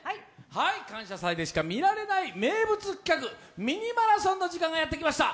「感謝祭」でしか見られない名物企画、「ミニマラソン」の時間がやってまいりました。